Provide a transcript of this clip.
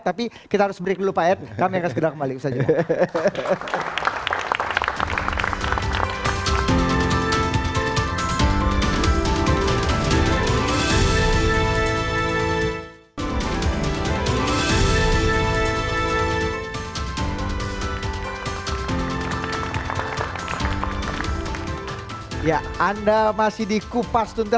tapi kita harus break dulu pak ed